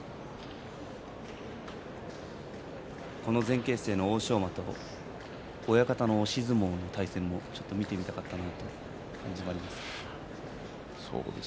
この前傾姿勢の欧勝馬と親方の押し相撲の対戦もちょっと見てみたかったなと感じもあります。